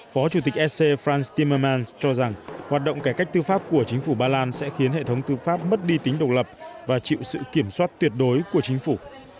phó chủ tịch ec franstimerman cho rằng hoạt động cải cách tư pháp của chính phủ ba lan sẽ khiến hệ thống tư pháp mất đi tính độc lập và chịu sự kiểm soát tuyệt đối của chính phủ